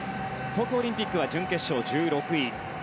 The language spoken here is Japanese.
東京オリンピックは準決勝１６位。